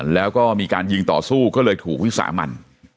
แล้วก็มีการยิงต่อสู้ก็เลยถูกวิสามัน